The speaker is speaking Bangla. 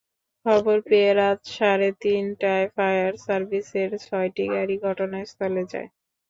খবর পেয়ে রাত সাড়ে তিনটায় ফায়ার সার্ভিসের ছয়টি গাড়ি ঘটনাস্থলে যায়।